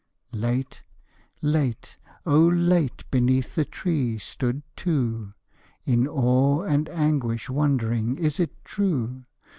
_ Late, late, oh, late beneath the tree stood two! In awe and anguish wondering: "Is it true?"